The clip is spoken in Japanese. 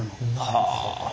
はあ。